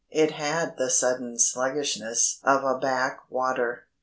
It had the sudden sluggishness of a back water.